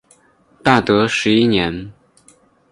大德十一年。